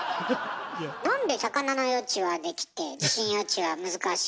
なんで魚の予知はできて地震予知は難しいの？